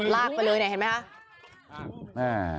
ลากไปเลยเนี่ยเห็นไหมคะ